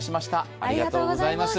ありがとうございます。